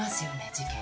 事件。